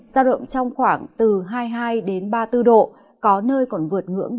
trong khoảng từ hai mươi hai đến ba mươi bốn độ có nơi còn vượt ngưỡng ba mươi bốn độ